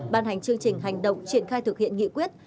ban hành chương trình hành động triển khai thực hiện nghị quyết